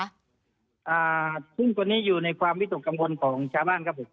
อ่าทุ่งตัวนี้อยู่ในความวิตกกังวลของชาวบ้านครับผม